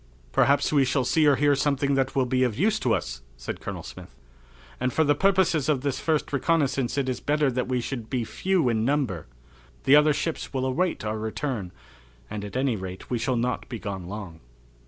"Perhaps we shall see or hear something that will be of use to us," said Colonel Smith, "and for the purposes of this first reconnaissance it is better that we should be few in number. The other ships will await our return, and at any rate we shall not be gone long."